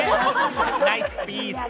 ナイスピース。